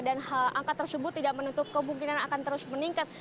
dan angka tersebut tidak menutup kemungkinan akan terus meningkat